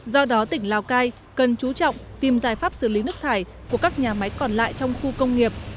do đó tỉnh lào cai cần chú trọng tìm giải pháp xử lý nước thải của các nhà máy còn lại trong khu công nghiệp